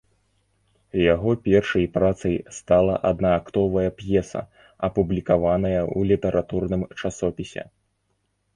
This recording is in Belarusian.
Яго першай працай стала аднаактовая п'еса, апублікаваная ў літаратурным часопісе.